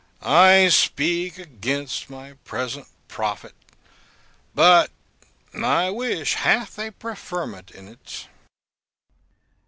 I speak against my present profit, but my wish hath a preferment in't.